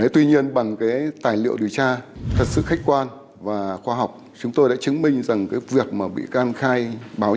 tuy nhiên bằng cái tài liệu điều tra thật sự khách quan và khoa học chúng tôi đã chứng minh rằng cái việc mà bị can khai báo như vậy là đúng